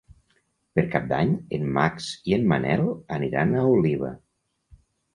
Per Cap d'Any en Max i en Manel aniran a Oliva.